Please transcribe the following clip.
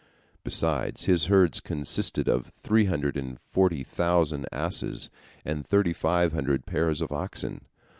Besides, his herds consisted of three hundred and forty thousand asses and thirty five hundred pairs of oxen.